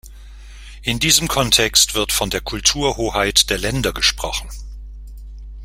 In diesem Kontext wird von der Kulturhoheit der Länder gesprochen.